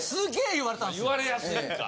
言われやすいんか。